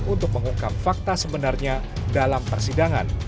untuk mengungkap fakta sebenarnya dalam persidangan